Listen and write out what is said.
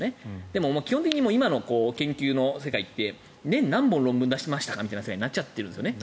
でも基本的に今の研究の世界って年に何本論文出しましたかみたいになっちゃってるんです。